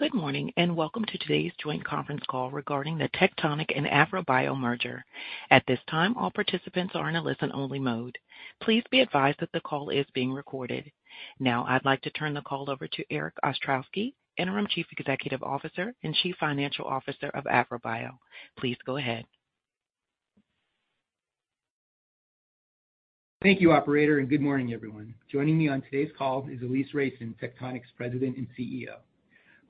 Good morning, and welcome to today's joint conference call regarding the Tectonic and AVROBIO merger. At this time, all participants are in a listen-only mode. Please be advised that the call is being recorded. Now I'd like to turn the call over to Erik Ostrowski, Interim Chief Executive Officer and Chief Financial Officer of AVROBIO. Please go ahead. Thank you, operator, and good morning, everyone. Joining me on today's call is Alise Reicin, Tectonic's President and CEO.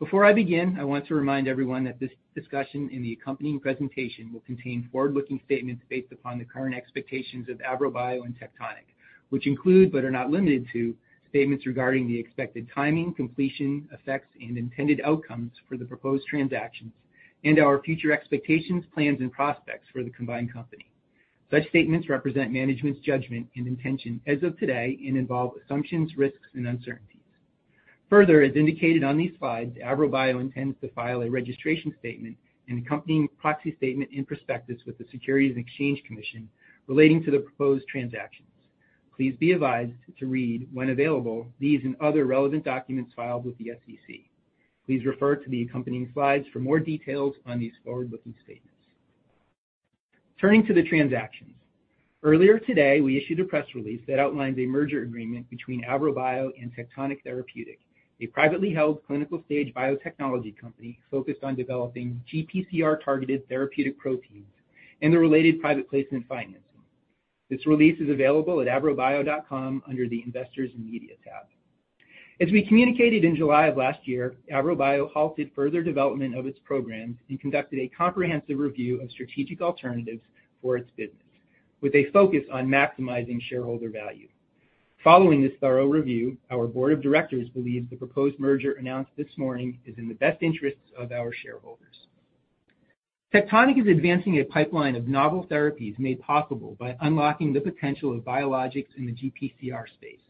Before I begin, I want to remind everyone that this discussion and the accompanying presentation will contain forward-looking statements based upon the current expectations of AVROBIO and Tectonic, which include, but are not limited to, statements regarding the expected timing, completion, effects, and intended outcomes for the proposed transactions and our future expectations, plans, and prospects for the combined company. Such statements represent management's judgment and intention as of today and involve assumptions, risks, and uncertainties. Further, as indicated on these slides, AVROBIO intends to file a registration statement and accompanying proxy statement and prospectus with the Securities and Exchange Commission relating to the proposed transactions. Please be advised to read, when available, these and other relevant documents filed with the SEC. Please refer to the accompanying slides for more details on these forward-looking statements. Turning to the transactions. Earlier today, we issued a press release that outlines a merger agreement between AVROBIO and Tectonic Therapeutic, a privately held clinical-stage biotechnology company focused on developing GPCR-targeted therapeutic proteins and the related private placement financing. This release is available at avrobio.com under the Investors & Media tab. As we communicated in July of last year, AVROBIO halted further development of its programs and conducted a comprehensive review of strategic alternatives for its business, with a focus on maximizing shareholder value. Following this thorough review, our board of directors believes the proposed merger announced this morning is in the best interests of our shareholders. Tectonic is advancing a pipeline of novel therapies made possible by unlocking the potential of biologics in the GPCR space.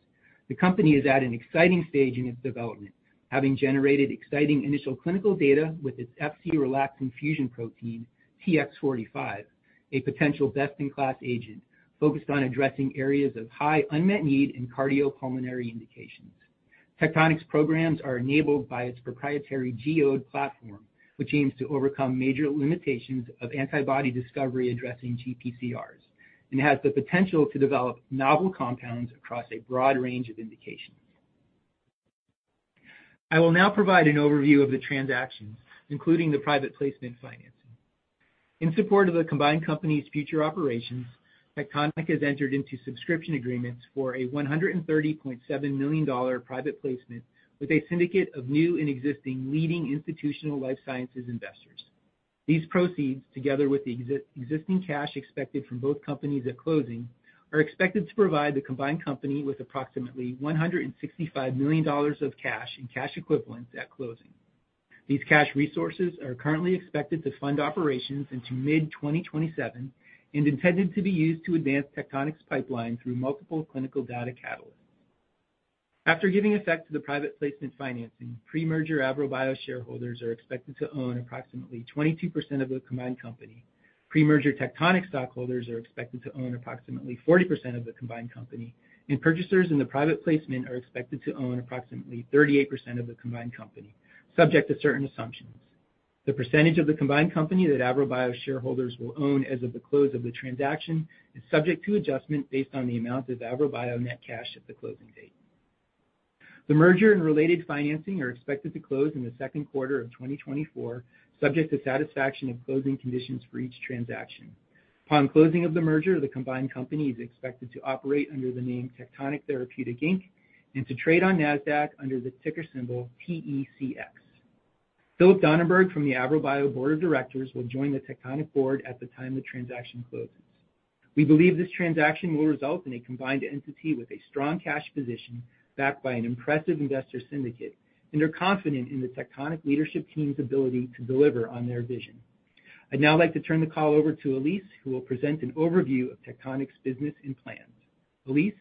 The company is at an exciting stage in its development, having generated exciting initial clinical data with its Fc-relaxin fusion protein, TX45, a potential best-in-class agent focused on addressing areas of high unmet need in cardiopulmonary indications. Tectonic's programs are enabled by its proprietary GEODe platform, which aims to overcome major limitations of antibody discovery addressing GPCRs and has the potential to develop novel compounds across a broad range of indications. I will now provide an overview of the transactions, including the private placement financing. In support of the combined company's future operations, Tectonic has entered into subscription agreements for a $130.7 million private placement with a syndicate of new and existing leading institutional life sciences investors. These proceeds, together with the existing cash expected from both companies at closing, are expected to provide the combined company with approximately $165 million of cash and cash equivalents at closing. These cash resources are currently expected to fund operations into mid-2027 and intended to be used to advance Tectonic's pipeline through multiple clinical data catalysts. After giving effect to the private placement financing, pre-merger AVROBIO shareholders are expected to own approximately 22% of the combined company. Pre-merger Tectonic stockholders are expected to own approximately 40% of the combined company, and purchasers in the private placement are expected to own approximately 38% of the combined company, subject to certain assumptions. The percentage of the combined company that AVROBIO shareholders will own as of the close of the transaction is subject to adjustment based on the amount of AVROBIO net cash at the closing date. The merger and related financing are expected to close in the second quarter of 2024, subject to satisfaction of closing conditions for each transaction. Upon closing of the merger, the combined company is expected to operate under the name Tectonic Therapeutic, Inc. and to trade on Nasdaq under the ticker symbol TECX. Phillip Donenberg from the AVROBIO Board of Directors will join the Tectonic board at the time the transaction closes. We believe this transaction will result in a combined entity with a strong cash position, backed by an impressive investor syndicate, and are confident in the Tectonic leadership team's ability to deliver on their vision. I'd now like to turn the call over to Alise, who will present an overview of Tectonic's business and plans. Alise?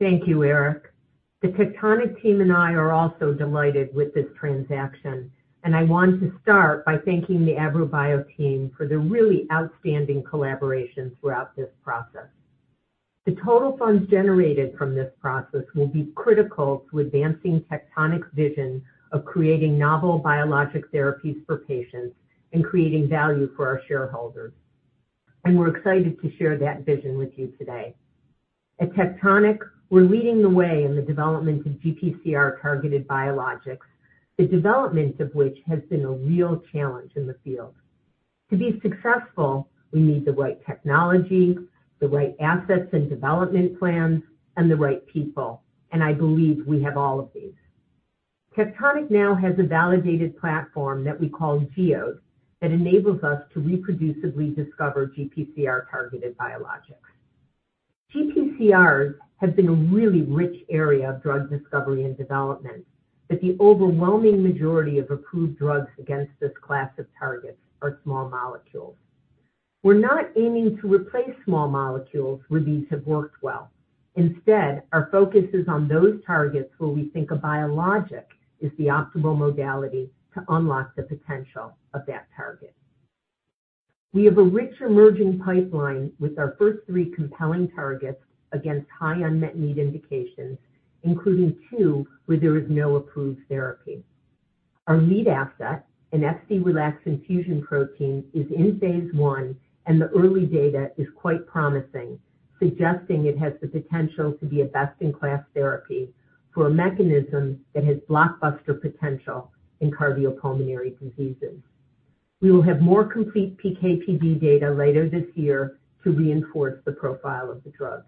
Thank you, Erik. The Tectonic team and I are also delighted with this transaction, and I want to start by thanking the AVROBIO team for their really outstanding collaboration throughout this process. The total funds generated from this process will be critical to advancing Tectonic's vision of creating novel biologic therapies for patients and creating value for our shareholders, and we're excited to share that vision with you today. At Tectonic, we're leading the way in the development of GPCR-targeted biologics, the development of which has been a real challenge in the field. To be successful, we need the right technology, the right assets and development plans, and the right people, and I believe we have all of these. Tectonic now has a validated platform that we call GEODe, that enables us to reproducibly discover GPCR-targeted biologics. GPCRs have been a really rich area of drug discovery and development, but the overwhelming majority of approved drugs against this class of targets are small molecules. We're not aiming to replace small molecules where these have worked well. Instead, our focus is on those targets where we think a biologic is the optimal modality to unlock the potential of that target. We have a rich emerging pipeline with our first three compelling targets against high unmet need indications, including two where there is no approved therapy. Our lead asset, an Fc-relaxin fusion protein, is in phase one, and the early data is quite promising, suggesting it has the potential to be a best-in-class therapy for a mechanism that has blockbuster potential in cardiopulmonary diseases. We will have more complete PK/PD data later this year to reinforce the profile of the drug.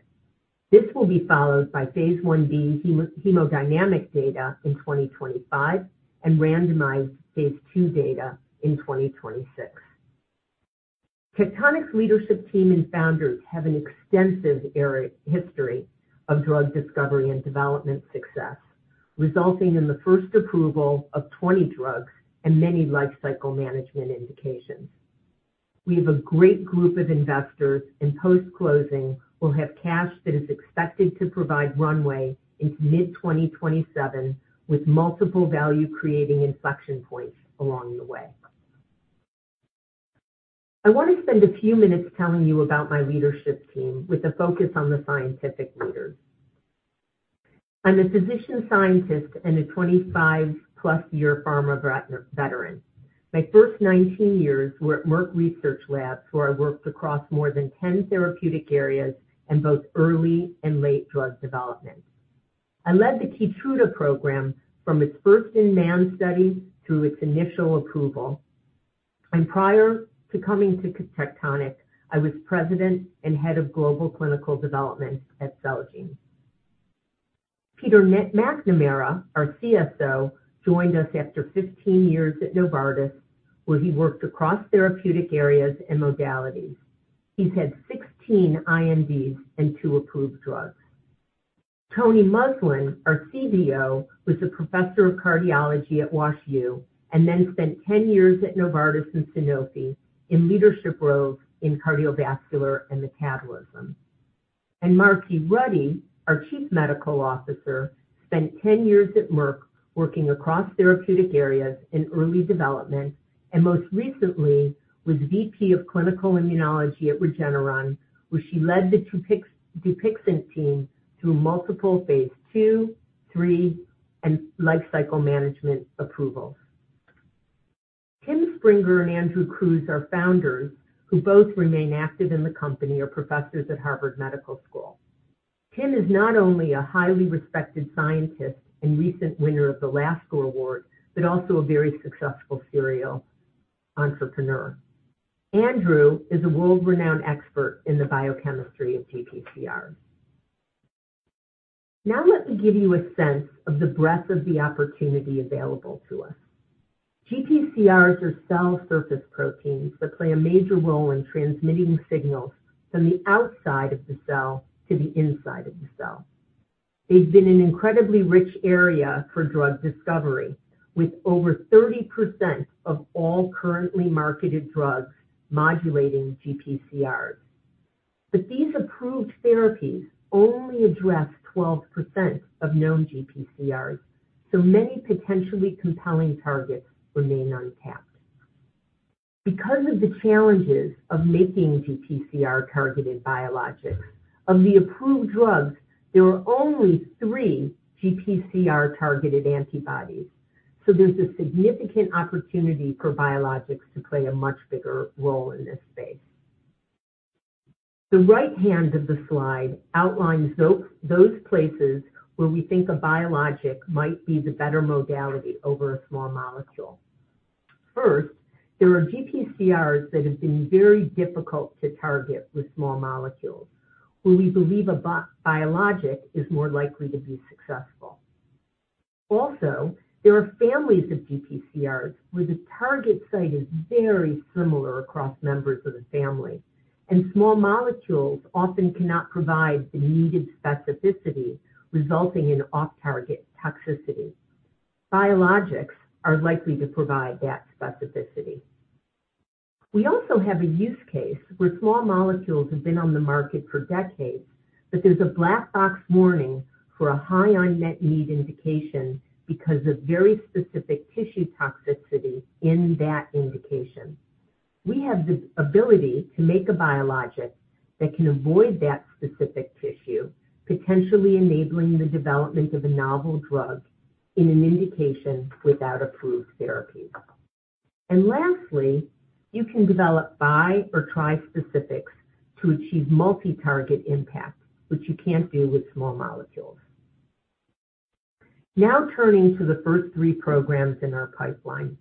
This will be followed by phase I-B hemodynamic data in 2025 and randomized phase II data in 2026. Tectonic's leadership team and founders have an extensive history of drug discovery and development success, resulting in the first approval of 20 drugs and many life cycle management indications. We have a great group of investors, and post-closing, we'll have cash that is expected to provide runway into mid-2027, with multiple value-creating inflection points along the way. I want to spend a few minutes telling you about my leadership team with a focus on the scientific leaders. I'm a physician, scientist, and a 25+-year pharma veteran. My first 19 years were at Merck Research Labs, where I worked across more than 10 therapeutic areas in both early and late drug development. I led the Keytruda program from its first-in-man study through its initial approval. Prior to coming to Tectonic, I was President and Head of Global Clinical Development at Celgene. Peter McNamara, our CSO, joined us after 15 years at Novartis, where he worked across therapeutic areas and modalities. He's had 16 INDs and two approved drugs. Tony Muslin, our CDO, was a professor of cardiology at WashU, and then spent 10 years at Novartis and Sanofi in leadership roles in cardiovascular and metabolism. Marcie Ruddy, our Chief Medical Officer, spent 10 years at Merck, working across therapeutic areas in early development, and most recently was VP of Clinical Immunology at Regeneron, where she led the Dupixent team through multiple phase II, III, and lifecycle management approvals. Tim Springer and Andrew Kruse are founders who both remain active in the company or professors at Harvard Medical School. Tim is not only a highly respected scientist and recent winner of the Lasker Award, but also a very successful serial entrepreneur. Andrew is a world-renowned expert in the biochemistry of GPCRs. Now, let me give you a sense of the breadth of the opportunity available to us. GPCRs are cell surface proteins that play a major role in transmitting signals from the outside of the cell to the inside of the cell. They've been an incredibly rich area for drug discovery, with over 30% of all currently marketed drugs modulating GPCRs. But these approved therapies only address 12% of known GPCRs, so many potentially compelling targets remain untapped. Because of the challenges of making GPCR-targeted biologics, of the approved drugs, there are only three GPCR-targeted antibodies, so there's a significant opportunity for biologics to play a much bigger role in this space. The right hand of the slide outlines those places where we think a biologic might be the better modality over a small molecule. First, there are GPCRs that have been very difficult to target with small molecules, where we believe a biologic is more likely to be successful. Also, there are families of GPCRs where the target site is very similar across members of the family, and small molecules often cannot provide the needed specificity, resulting in off-target toxicity. Biologics are likely to provide that specificity. We also have a use case where small molecules have been on the market for decades, but there's a black box warning for a high unmet need indication because of very specific tissue toxicity in that indication. We have the ability to make a biologic that can avoid that specific tissue, potentially enabling the development of a novel drug in an indication without approved therapy. And lastly, you can develop bi or trispecifics to achieve multi-target impact, which you can't do with small molecules. Now, turning to the first three programs in our pipeline.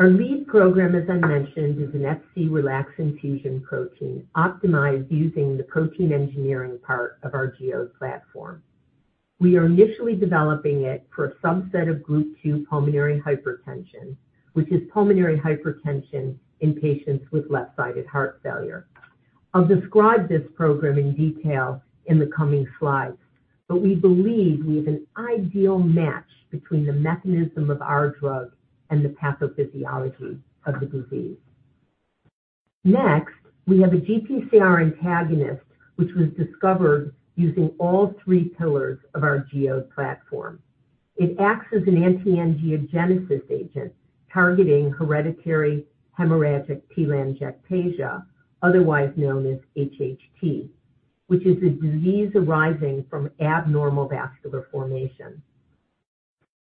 Our lead program, as I mentioned, is an Fc-relaxin fusion protein optimized using the protein engineering part of our GEODe platform. We are initially developing it for a subset of Group 2 pulmonary hypertension, which is pulmonary hypertension in patients with left-sided heart failure. I'll describe this program in detail in the coming slides, but we believe we have an ideal match between the mechanism of our drug and the pathophysiology of the disease. Next, we have a GPCR antagonist, which was discovered using all three pillars of our GEODe platform.... It acts as an anti-angiogenesis agent, targeting Hereditary Hemorrhagic Telangiectasia, otherwise known as HHT, which is a disease arising from abnormal vascular formation.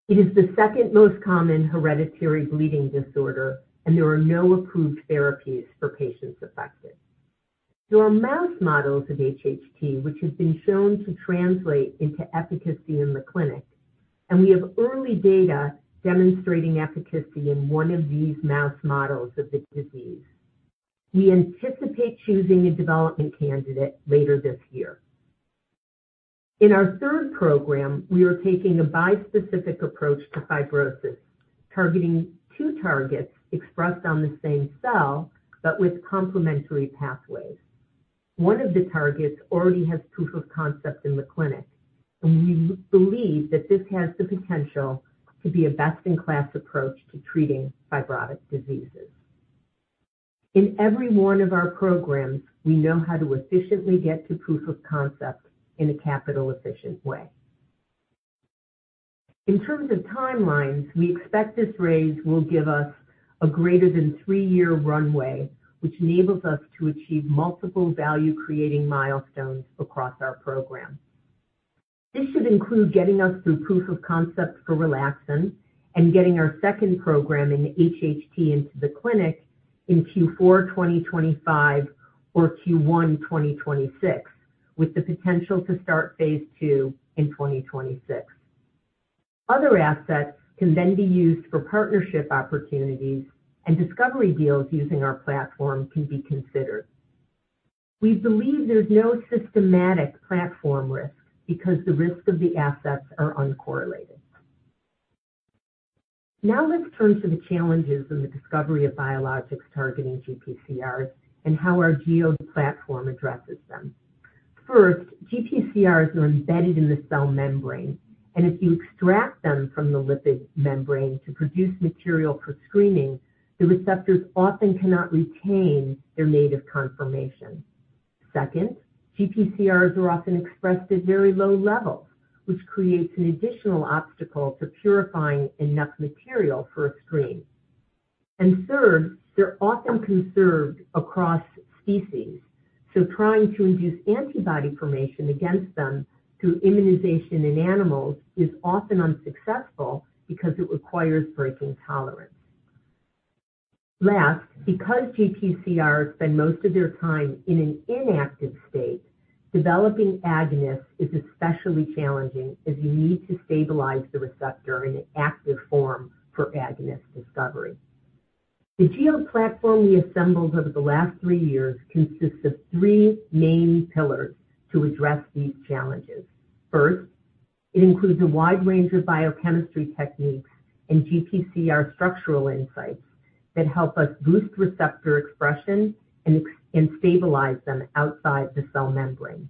It is the second most common hereditary bleeding disorder, and there are no approved therapies for patients affected. There are mouse models of HHT, which have been shown to translate into efficacy in the clinic, and we have early data demonstrating efficacy in one of these mouse models of the disease. We anticipate choosing a development candidate later this year. In our third program, we are taking a bispecific approach to fibrosis, targeting two targets expressed on the same cell, but with complementary pathways. One of the targets already has proof of concept in the clinic, and we believe that this has the potential to be a best-in-class approach to treating fibrotic diseases. In every one of our programs, we know how to efficiently get to proof of concept in a capital-efficient way. In terms of timelines, we expect this raise will give us a greater than 3-year runway, which enables us to achieve multiple value-creating milestones across our program. This should include getting us through proof of concept for Relaxin and getting our second program in HHT into the clinic in Q4 2025 or Q1 2026, with the potential to start phase II in 2026. Other assets can then be used for partnership opportunities, and discovery deals using our platform can be considered. We believe there's no systematic platform risk because the risk of the assets are uncorrelated. Now, let's turn to the challenges in the discovery of biologics targeting GPCRs and how our GEODe platform addresses them. First, GPCRs are embedded in the cell membrane, and if you extract them from the lipid membrane to produce material for screening, the receptors often cannot retain their native conformation. Second, GPCRs are often expressed at very low levels, which creates an additional obstacle to purifying enough material for a screen. Third, they're often conserved across species, so trying to induce antibody formation against them through immunization in animals is often unsuccessful because it requires breaking tolerance. Last, because GPCRs spend most of their time in an inactive state, developing agonists is especially challenging, as you need to stabilize the receptor in an active form for agonist discovery. The GEODe platform we assembled over the last three years consists of three main pillars to address these challenges. First, it includes a wide range of biochemistry techniques and GPCR structural insights that help us boost receptor expression and stabilize them outside the cell membrane.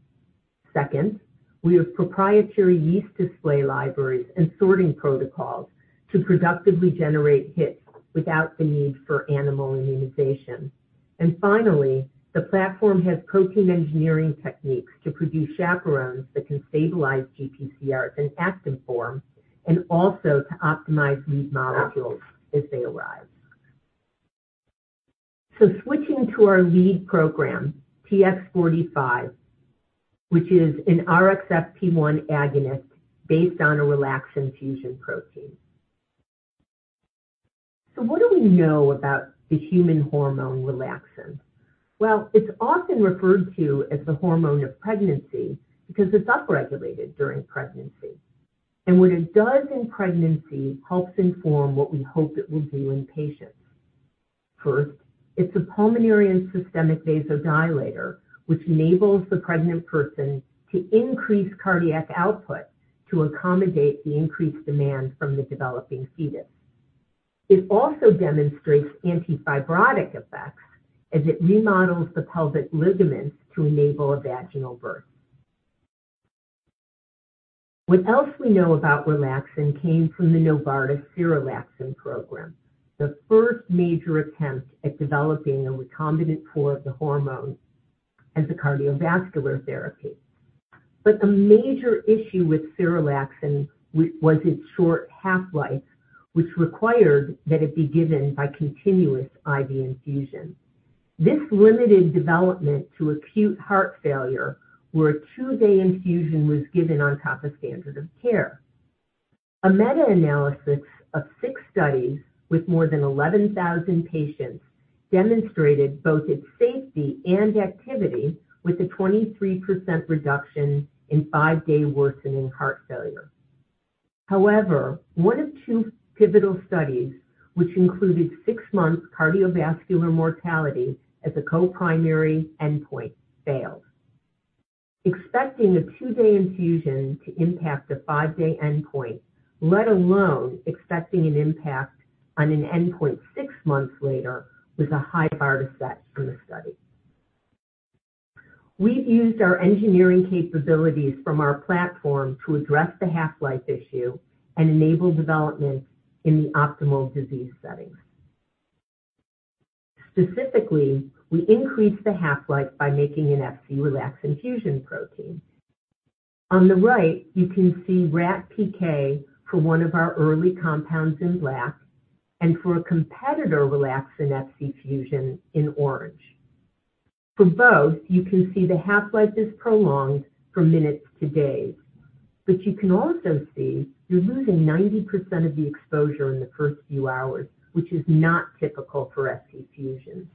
Second, we have proprietary yeast display libraries and sorting protocols to productively generate hits without the need for animal immunization. And finally, the platform has protein engineering techniques to produce chaperones that can stabilize GPCRs in active form and also to optimize these molecules as they arise. So switching to our lead program, TX45, which is an RXFP1 agonist based on a Relaxin fusion protein. So what do we know about the human hormone, Relaxin? Well, it's often referred to as the hormone of pregnancy because it's upregulated during pregnancy. And what it does in pregnancy helps inform what we hope it will do in patients. First, it's a pulmonary and systemic vasodilator, which enables the pregnant person to increase cardiac output to accommodate the increased demand from the developing fetus. It also demonstrates antifibrotic effects, as it remodels the pelvic ligaments to enable a vaginal birth. What else we know about Relaxin came from the Novartis Serelaxin program, the first major attempt at developing a recombinant form of the hormone as a cardiovascular therapy. But the major issue with Serelaxin was its short half-life, which required that it be given by continuous IV infusion. This limited development to acute heart failure, where a two-day infusion was given on top of standard of care. A meta-analysis of six studies with more than 11,000 patients demonstrated both its safety and activity, with a 23% reduction in five-day worsening heart failure. However, one of two pivotal studies, which included six-month cardiovascular mortality as a co-primary endpoint, failed. Expecting a two-day infusion to impact a five-day endpoint, let alone expecting an impact on an endpoint six months later, was a high bar to set for the study. We've used our engineering capabilities from our platform to address the half-life issue and enable development in the optimal disease settings. Specifically, we increase the half-life by making an Fc-relaxin fusion protein. On the right, you can see rat PK for one of our early compounds in black and for a competitor relaxin Fc fusion in orange. For both, you can see the half-life is prolonged from minutes to days, but you can also see you're losing 90% of the exposure in the first few hours, which is not typical for Fc fusions.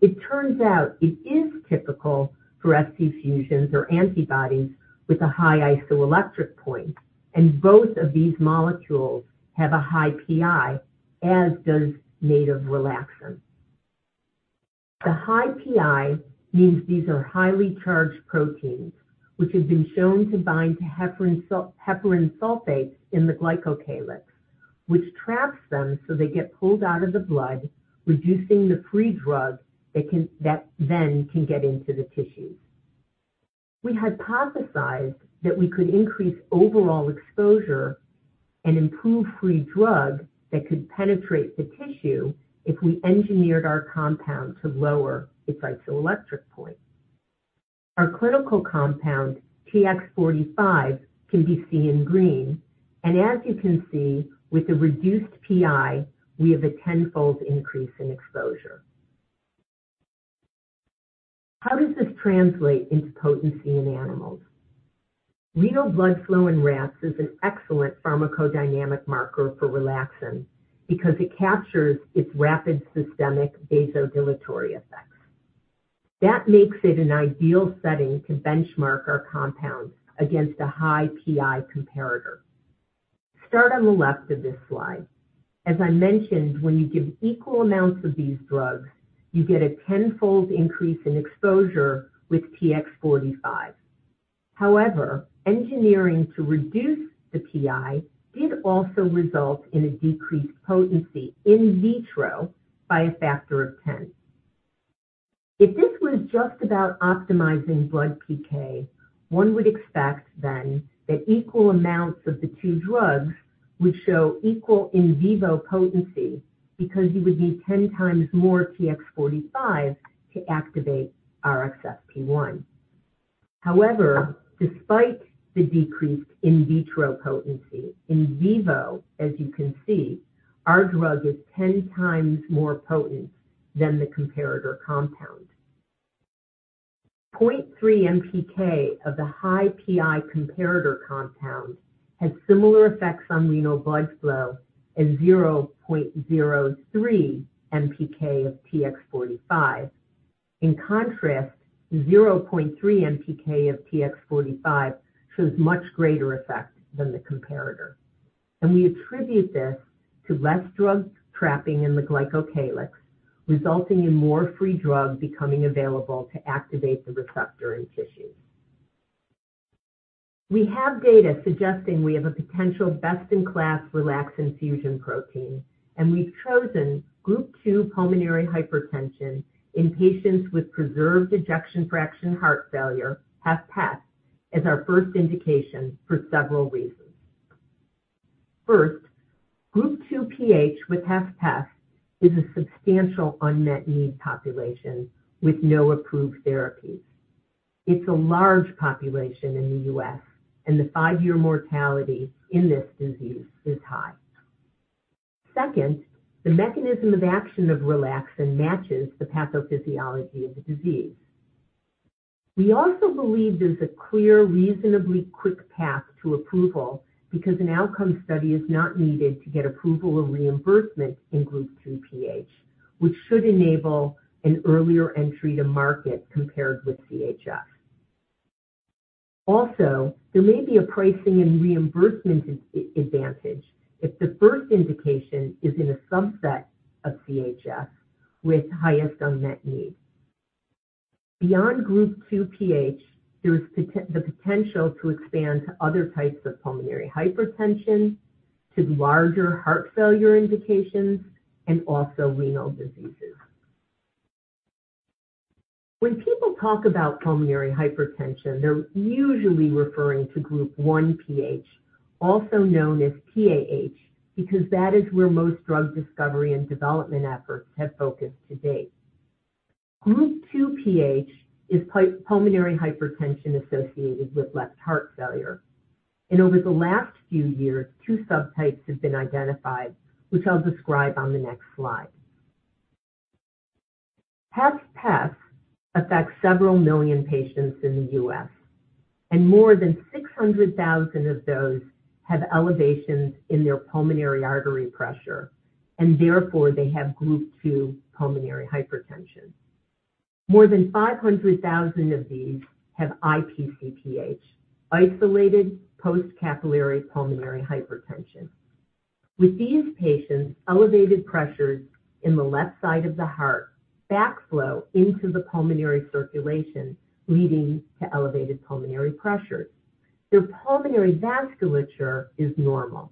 It turns out it is typical for Fc fusions or antibodies with a high isoelectric point, and both of these molecules have a high pI, as does native relaxin. The high pI means these are highly charged proteins, which have been shown to bind to heparan sulfate in the glycocalyx, which traps them so they get pulled out of the blood, reducing the free drug that can get into the tissues. We hypothesized that we could increase overall exposure and improve free drug that could penetrate the tissue if we engineered our compound to lower its isoelectric point. Our clinical compound, TX45, can be seen in green, and as you can see, with a reduced pI, we have a tenfold increase in exposure. How does this translate into potency in animals? Renal blood flow in rats is an excellent pharmacodynamic marker for relaxin because it captures its rapid systemic vasodilatory effects. That makes it an ideal setting to benchmark our compounds against a high pI comparator. Start on the left of this slide. As I mentioned, when you give equal amounts of these drugs, you get a 10-fold increase in exposure with TX45. However, engineering to reduce the pI did also result in a decreased potency in vitro by a factor of 10. If this was just about optimizing blood PK, one would expect then that equal amounts of the two drugs would show equal in vivo potency because you would need 10 times more TX45 to activate RXFP1. However, despite the decreased in vitro potency, in vivo, as you can see, our drug is 10 times more potent than the comparator compound. 0.3 mg/kg of the high pI comparator compound had similar effects on renal blood flow as 0.03 mg/kg of TX45. In contrast, 0.3 mg/kg of TX45 shows much greater effect than the comparator. And we attribute this to less drug trapping in the glycocalyx, resulting in more free drug becoming available to activate the receptor in tissue. We have data suggesting we have a potential best-in-class relaxin fusion protein, and we've chosen Group 2 pulmonary hypertension in patients with preserved ejection fraction heart failure, HFpEF, as our first indication for several reasons. First, Group 2 PH with HFpEF is a substantial unmet need population with no approved therapies. It's a large population in the U.S., and the 5-year mortality in this disease is high. Second, the mechanism of action of relaxin matches the pathophysiology of the disease. We also believe there's a clear, reasonably quick path to approval because an outcome study is not needed to get approval or reimbursement in Group 2 PH, which should enable an earlier entry to market compared with CHF. Also, there may be a pricing and reimbursement advantage if the first indication is in a subset of CHF with highest unmet need. Beyond Group 2 PH, there is the potential to expand to other types of pulmonary hypertension, to larger heart failure indications, and also renal diseases. When people talk about pulmonary hypertension, they're usually referring to Group 1 PH, also known as PAH, because that is where most drug discovery and development efforts have focused to date. Group 2 PH is pulmonary hypertension associated with left heart failure, and over the last few years, two subtypes have been identified, which I'll describe on the next slide. HFpEF affects several million patients in the U.S., and more than 600,000 of those have elevations in their pulmonary artery pressure, and therefore, they have Group 2 pulmonary hypertension. More than 500,000 of these have IpcPH, Isolated Post-Capillary Pulmonary Hypertension. With these patients, elevated pressures in the left side of the heart backflow into the pulmonary circulation, leading to elevated pulmonary pressures. Their pulmonary vasculature is normal,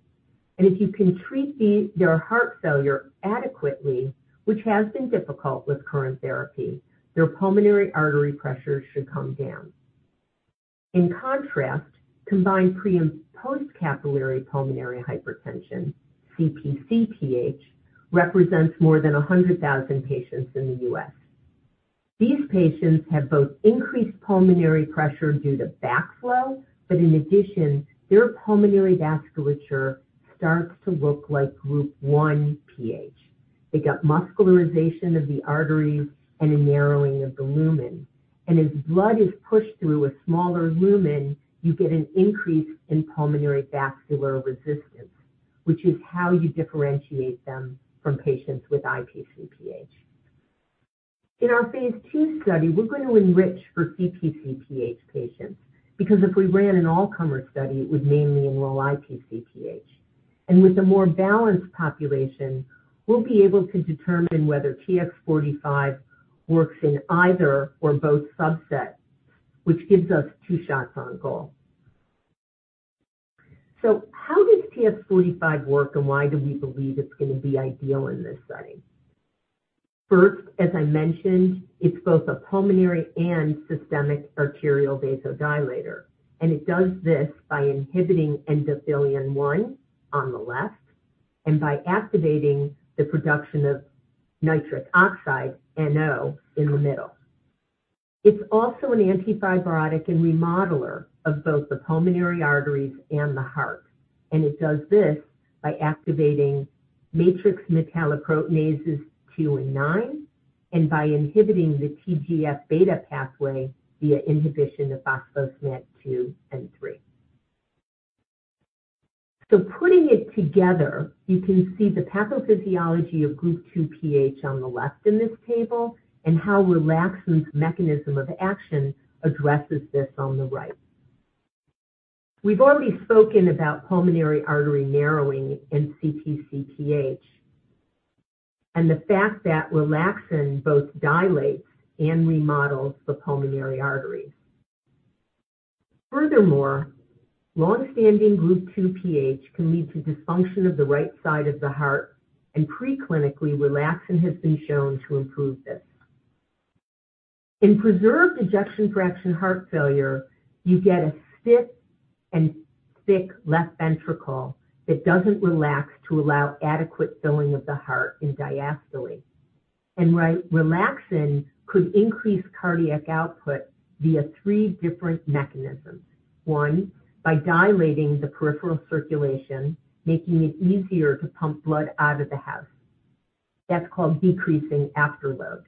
and if you can treat their heart failure adequately, which has been difficult with current therapy, their pulmonary artery pressure should come down. In contrast, Combined Pre- and Post-Capillary Pulmonary Hypertension, CpcPH, represents more than 100,000 patients in the U.S. These patients have both increased pulmonary pressure due to backflow, but in addition, their pulmonary vasculature starts to look like Group 1 PH. They get muscularization of the arteries and a narrowing of the lumen. As blood is pushed through a smaller lumen, you get an increase in pulmonary vascular resistance, which is how you differentiate them from patients with IpcPH. In our phase II study, we're going to enrich for CpcPH patients because if we ran an all-comer study, it would mainly enroll IpcPH. And with a more balanced population, we'll be able to determine whether TX45 works in either or both subsets, which gives us two shots on goal. So how does TX45 work, and why do we believe it's going to be ideal in this study? First, as I mentioned, it's both a pulmonary and systemic arterial vasodilator, and it does this by inhibiting endothelin-1 on the left and by activating the production of nitric oxide, NO, in the middle. It's also an antifibrotic and remodeler of both the pulmonary arteries and the heart, and it does this by activating matrix metalloproteinases 2 and 9 and by inhibiting the TGF-beta pathway via inhibition of phospho-Smad 2 and 3. So putting it together, you can see the pathophysiology of Group 2 PH on the left in this table and how Relaxin's mechanism of action addresses this on the right. We've already spoken about pulmonary artery narrowing in CpcPH and the fact that Relaxin both dilates and remodels the pulmonary arteries. Furthermore, long-standing Group 2 PH can lead to dysfunction of the right side of the heart, and preclinically, Relaxin has been shown to improve this. In preserved ejection fraction heart failure, you get a stiff and thick left ventricle that doesn't relax to allow adequate filling of the heart in diastole. And right, relaxin could increase cardiac output via three different mechanisms. One, by dilating the peripheral circulation, making it easier to pump blood out of the heart. That's called decreasing afterload.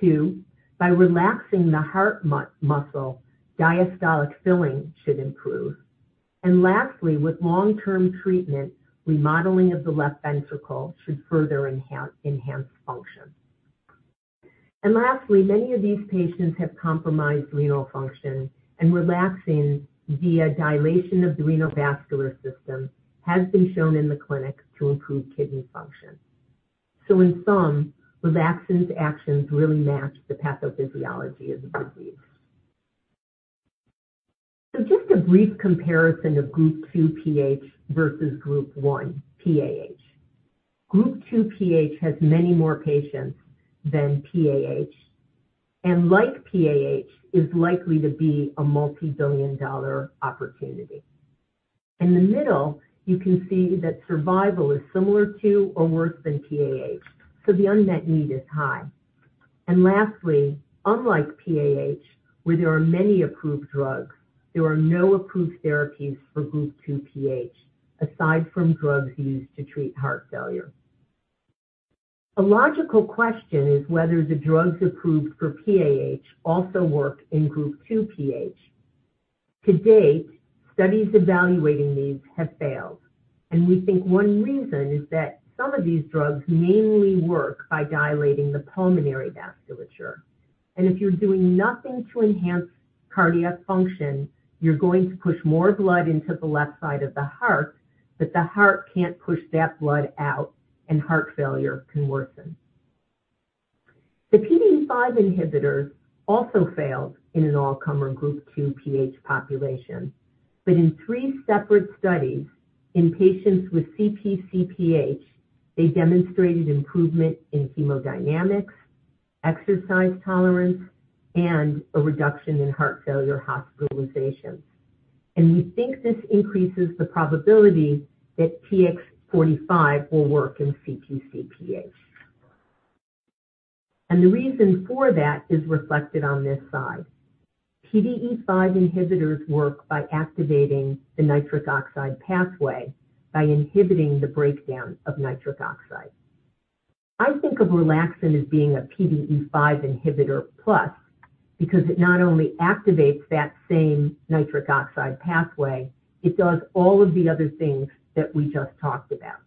Two, by relaxing the heart muscle, diastolic filling should improve. And lastly, with long-term treatment, remodeling of the left ventricle should further enhance function. And lastly, many of these patients have compromised renal function, and relaxin, via dilation of the renal vascular system, has been shown in the clinic to improve kidney function. So in sum, relaxin's actions really match the pathophysiology of the disease. So just a brief comparison of Group 2 PH versus Group 1 PAH. Group 2 PH has many more patients than PAH, and like PAH, is likely to be a $ multi-billion-dollar opportunity. In the middle, you can see that survival is similar to or worse than PAH, so the unmet need is high. And lastly, unlike PAH, where there are many approved drugs, there are no approved therapies for Group 2 PH, aside from drugs used to treat heart failure. A logical question is whether the drugs approved for PAH also work in Group 2 PH. To date, studies evaluating these have failed, and we think one reason is that some of these drugs mainly work by dilating the pulmonary vasculature. And if you're doing nothing to enhance cardiac function, you're going to push more blood into the left side of the heart, but the heart can't push that blood out, and heart failure can worsen. The PDE5 inhibitors also failed in an all-comer Group 2 PH population, but in 3 separate studies in patients with CpcPH, they demonstrated improvement in hemodynamics, exercise tolerance, and a reduction in heart failure hospitalizations. We think this increases the probability that TX45 will work in CpcPH. The reason for that is reflected on this side. PDE5 inhibitors work by activating the nitric oxide pathway, by inhibiting the breakdown of nitric oxide. I think of relaxin as being a PDE5 inhibitor plus, because it not only activates that same nitric oxide pathway, it does all of the other things that we just talked about.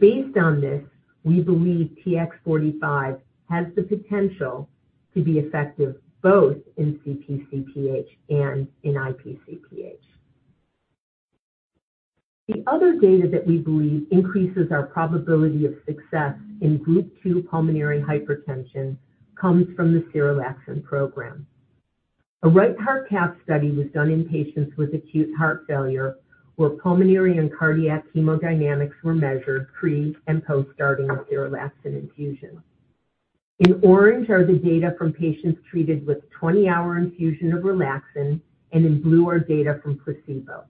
Based on this, we believe TX45 has the potential to be effective both in CpcPH and in IpcPH. The other data that we believe increases our probability of success in Group 2 pulmonary hypertension comes from the serelaxin program. A right heart cath study was done in patients with acute heart failure, where pulmonary and cardiac hemodynamics were measured pre and post starting a serelaxin infusion. In orange are the data from patients treated with 20-hour infusion of relaxin, and in blue are data from placebo.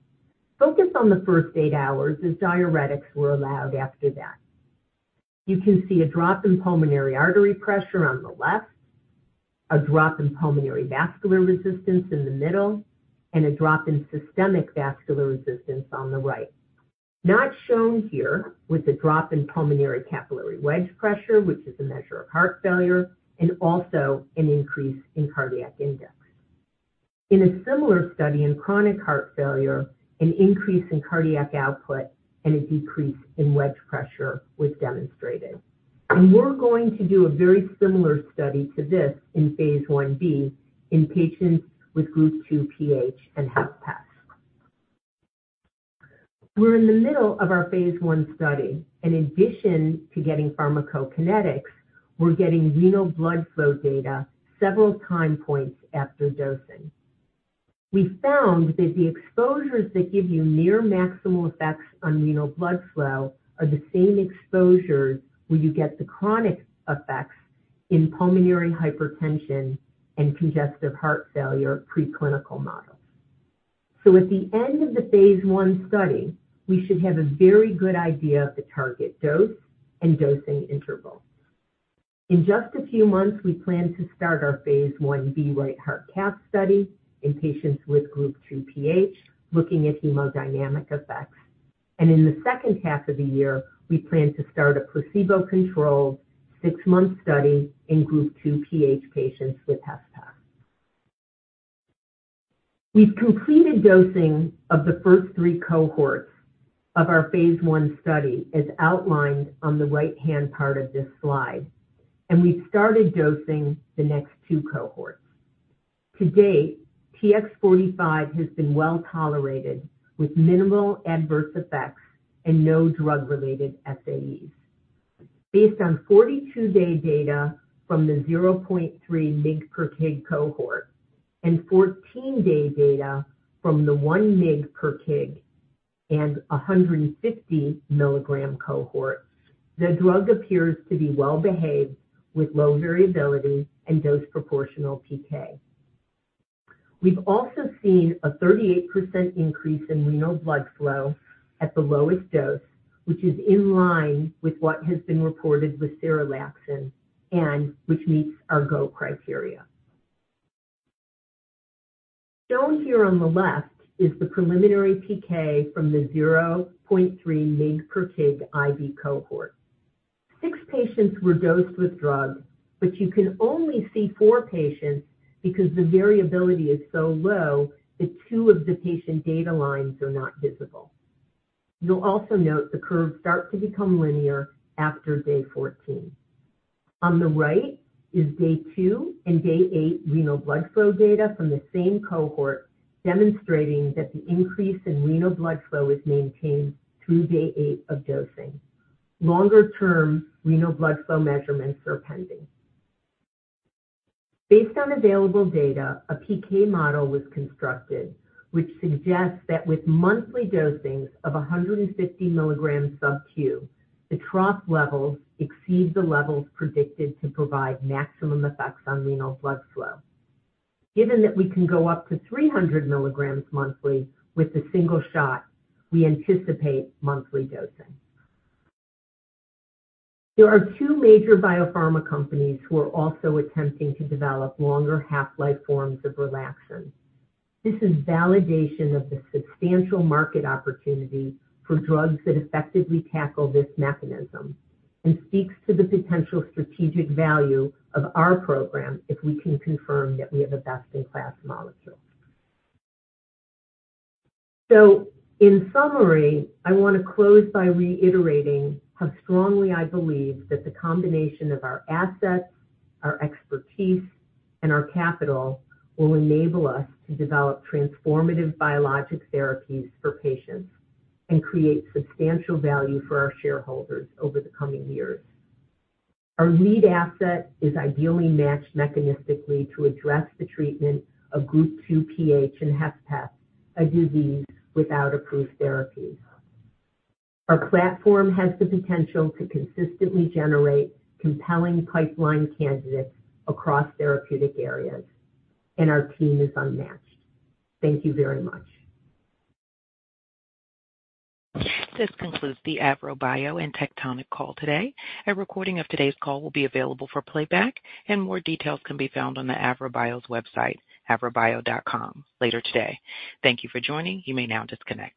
Focus on the first eight hours, as diuretics were allowed after that. You can see a drop in pulmonary artery pressure on the left, a drop in pulmonary vascular resistance in the middle, and a drop in systemic vascular resistance on the right. Not shown here was the drop in pulmonary capillary wedge pressure, which is a measure of heart failure, and also an increase in cardiac index. In a similar study in chronic heart failure, an increase in cardiac output and a decrease in wedge pressure was demonstrated. We're going to do a very similar study to this in phase I-B, in patients with Group 2 PH and HFpEF. We're in the middle of our phase I study. In addition to getting pharmacokinetics, we're getting renal blood flow data several time points after dosing. We found that the exposures that give you near maximal effects on renal blood flow are the same exposures where you get the chronic effects in pulmonary hypertension and congestive heart failure preclinical models. So at the end of the phase 1 study, we should have a very good idea of the target dose and dosing interval. In just a few months, we plan to start our phase I-B right heart cath study in patients with Group 2 PH, looking at hemodynamic effects. In the second half of the year, we plan to start a placebo-controlled six-month study in Group 2 PH patients with HFpEF. We've completed dosing of the first three cohorts of our phase I study, as outlined on the right-hand part of this slide, and we've started dosing the next two cohorts. To date, TX45 has been well-tolerated, with minimal adverse effects and no drug-related SAEs. Based on 42-day data from the 0.3 mg/kg cohort and 14-day data from the 1 mg/kg and 150 mg cohort, the drug appears to be well-behaved, with low variability and dose proportional PK. We've also seen a 38% increase in renal blood flow at the lowest dose, which is in line with what has been reported with serelaxin and which meets our goal criteria. Shown here on the left is the preliminary PK from the 0.3 mg per kg IV cohort. Six patients were dosed with drug, but you can only see four patients because the variability is so low that 2 of the patient data lines are not visible. You'll also note the curve starts to become linear after day 14. On the right is day 2 and day 8 renal blood flow data from the same cohort, demonstrating that the increase in renal blood flow is maintained through day 8 of dosing. Longer-term renal blood flow measurements are pending. Based on available data, a PK model was constructed, which suggests that with monthly dosing of 150 milligrams Sub-Q, the trough levels exceed the levels predicted to provide maximum effects on renal blood flow. Given that we can go up to 300 milligrams monthly with a single shot, we anticipate monthly dosing. There are two major biopharma companies who are also attempting to develop longer half-life forms of relaxin. This is validation of the substantial market opportunity for drugs that effectively tackle this mechanism and speaks to the potential strategic value of our program if we can confirm that we have a best-in-class molecule. So in summary, I want to close by reiterating how strongly I believe that the combination of our assets, our expertise, and our capital will enable us to develop transformative biologic therapies for patients and create substantial value for our shareholders over the coming years. Our lead asset is ideally matched mechanistically to address the treatment of Group 2 PH and HFpEF, a disease without approved therapy. Our platform has the potential to consistently generate compelling pipeline candidates across therapeutic areas, and our team is unmatched. Thank you very much. This concludes the AVROBIO and Tectonic call today. A recording of today's call will be available for playback and more details can be found on the AVROBIO's website, avrobio.com, later today. Thank you for joining. You may now disconnect.